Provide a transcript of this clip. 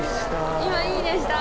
今いい匂いした？